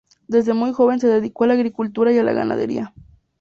Desde muy joven se dedicó a la agricultura y a la ganadería.